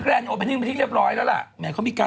กระแพนหนึ่งกับแฟนคนเก่า